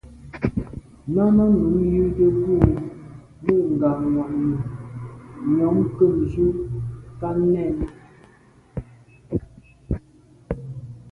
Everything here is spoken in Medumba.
Náná nǔm jə́də́ bû mû ŋgā mwà’nì nyɔ̌ ŋkə̂mjvʉ́ ká nɛ̂n.